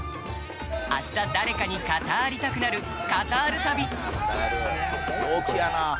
明日、誰かに語りたくなるカタール旅！